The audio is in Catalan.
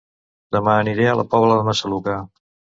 Dema aniré a La Pobla de Massaluca